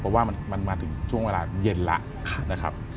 เพราะว่ามันมาถึงช่วงเวลาเย็นแล้วนะครับ